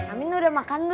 amin lu udah makan belum